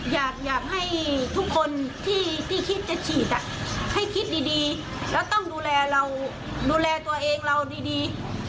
อยากให้ทุกคนที่คิดจะฉีดให้คิดดีแล้วต้องดูแลเราดูแลตัวเองเราดี